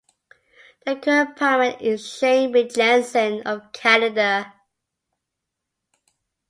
The current Primate is Shane B. Jenzen, of Canada.